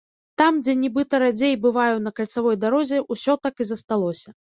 Там, дзе нібыта радзей бываю на кальцавой дарозе, усё так і засталося.